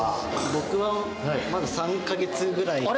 僕はまだ３か月ぐらいで。